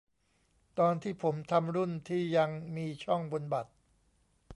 ตอนที่ผมทำรุ่นที่ยังมีช่องบนบัตร